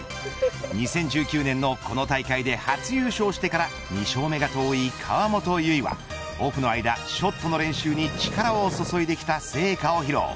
２０１９年のこの大会で初優勝してから２勝目が遠い河本結はオフの間ショットの練習に力を注いできた成果を披露。